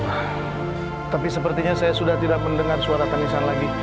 tapi sepertinya saya sudah tidak mendengar suara tangisan lagi